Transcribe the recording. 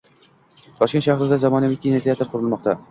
Toshkent shahrida zamonaviy kinoteatr qurilmoqda